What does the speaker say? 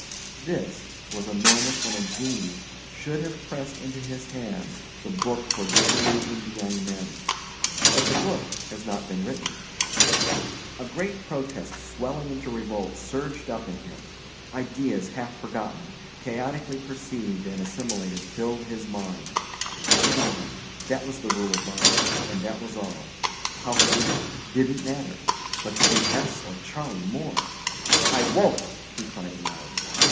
This was a moment when a genii should have pressed into his hand the book for disillusioned young men. But the book has not been written. A great protest swelling into revolt surged up in him. Ideas half forgotten, chaoticly perceived and assimilated, filled his mind. Get on that was the rule of life and that was all. How he did it, didn't matter but to be Hesse or Charley Moore. "I won't!" he cried aloud.